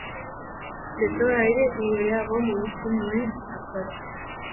Besoa ere libreago mugitzen nuen hartara.